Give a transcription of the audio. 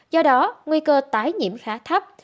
do đó nguy cơ tái nhiễm khá thấp